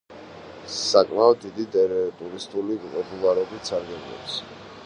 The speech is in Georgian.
საკმაოდ დიდი ტურისტული პოპულარობით სარგებლობს.